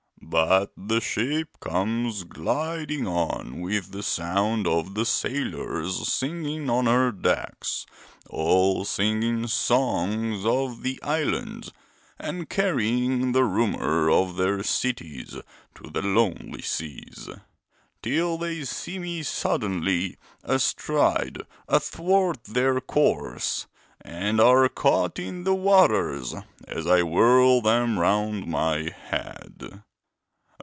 But the ship comes gliding on with the sound of the sailors singing on her decks, all singing songs of the islands and carrying the rumour of their cities to the lonely seas, till they see me suddenly astride athwart their course, and are caught in the waters as I whirl them round my head.